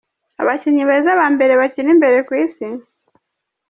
Abakinyi beza ba mbere bakina imbere kw'isi?.